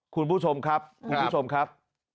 คุณผู้ชมครับคุณผู้ชมครับ